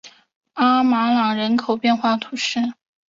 阿马朗人口变化图示